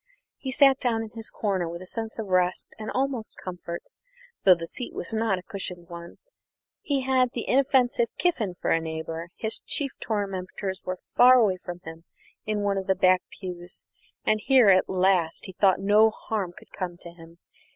He sat down in his corner with a sense of rest and almost comfort, though the seat was not a cushioned one. He had the inoffensive Kiffin for a neighbour, his chief tormentors were far away from him in one of the back pews, and here at least he thought no harm could come to him.